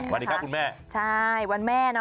วันนี้ค่ะคุณแม่ใช่วันแม่